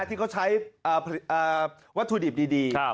ที่เขาใช้วัตถุดิบดี